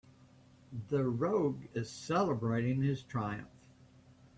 The rogue is celebrating his triumph.